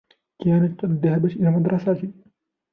كانت قد ذهبت إلى المدرسة.